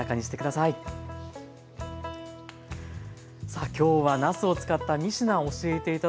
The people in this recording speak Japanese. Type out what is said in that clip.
さあきょうはなすを使った３品教えて頂きました。